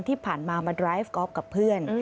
ที่ผ่านมามันไลฟ์กอล์ฟกับเพื่อน